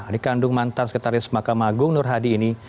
dikandung mantan sekretaris mahkamah agung nur hadi ini